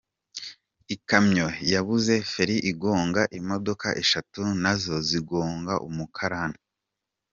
Ikamyo yabuze feri igonga imodoka eshatu na zo zigonga umukarani